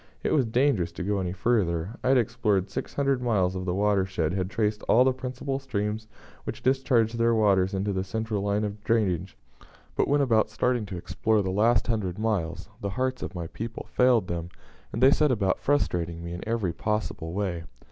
It was dangerous to go any further. I had explored six hundred miles of the watershed, had traced all the principal streams which discharge their waters into the central line of drainage, but when about starting to explore the last hundred miles the hearts of my people failed them, and they set about frustrating me in every possible way.